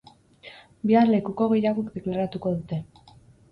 Bihar lekuko gehiagok deklaratuko dute.